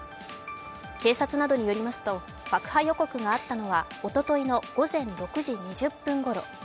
警察などによりますと、爆破予告があったのはおとといの午前６時２０分ごろ。